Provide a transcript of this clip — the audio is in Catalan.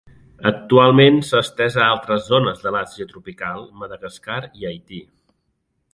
Actualment s'ha estès a altres zones de l'Àsia tropical, Madagascar i Haití.